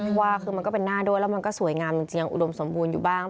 เพราะว่าคือมันก็เป็นหน้าด้วยแล้วมันก็สวยงามจริงอุดมสมบูรณ์อยู่บ้าง